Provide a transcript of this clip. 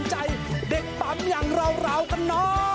ท่านเปลี่ยน